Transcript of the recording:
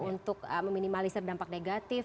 untuk meminimalisir dampak negatif